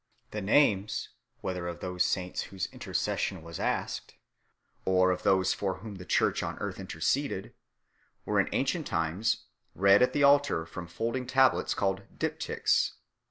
The names, whether of those saints whose intercession was asked, or of th^se for whom the Church on earth interceded, were in ancient times read at the altar from folding tablets, called diptychs.